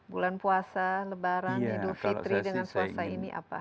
bulan puasa lebaran idul fitri dengan puasa ini apa